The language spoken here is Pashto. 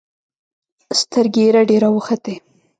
سترګې يې رډې راوختې.